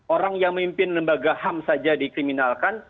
orang yang memimpin lembaga ham saja dikriminalkan